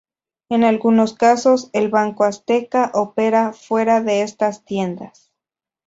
En algunos casos el Banco Azteca opera fuera de estas tiendas.